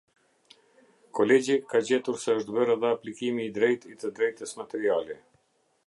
Kolegji ka gjetur se është bërë edhe aplikimi i drejtë i të drejtës materiale.